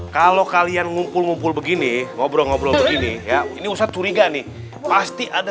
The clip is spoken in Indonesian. kalau kalian ngumpul ngumpul begini ngobrol ngobrol begini ya ini usah curiga nih pasti ada